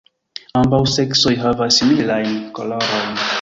Ambaŭ seksoj havas similajn kolorojn.